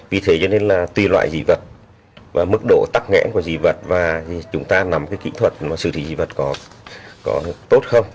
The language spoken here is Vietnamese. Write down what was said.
vì thế cho nên là tùy loại dị vật và mức độ tắc nghẽn của dị vật và chúng ta nắm kỹ thuật mà sự trí dị vật có tốt không